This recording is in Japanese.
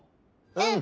うん！